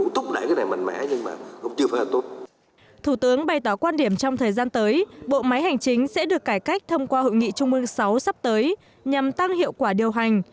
thủ tướng bày tỏ quan điểm trong thời gian tới bộ máy hành chính sẽ được cải cách thông qua hội nghị trung mương sáu sắp tới nhằm tăng hiệu quả điều hành